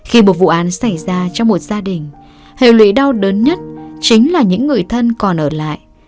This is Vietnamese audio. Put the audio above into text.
khi một vụ án xảy ra trong một gia đình hệ lụy đau đớn nhất chính là những người thân còn ở lại